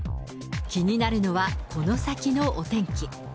気になるのはこの先のお天気。